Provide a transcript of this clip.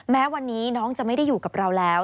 แม้วันนี้น้องจะไม่ได้อยู่กับเราแล้ว